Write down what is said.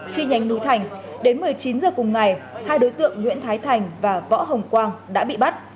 trên nhánh núi thành đến một mươi chín h cùng ngày hai đối tượng nguyễn thái thành và võ hồng quang đã bị bắt